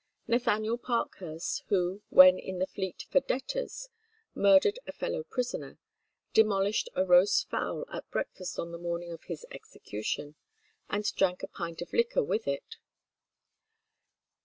Nathaniel Parkhurst, who, when in the Fleet for debtors, murdered a fellow prisoner, demolished a roast fowl at breakfast on the morning of his execution, and drank a pint of liquor with it.